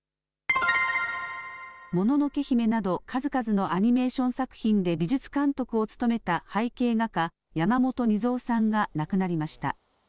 もののけ姫など、数々のアニメーション作品で美術監督を務めた背景画家、山本二三さんが亡くなりました。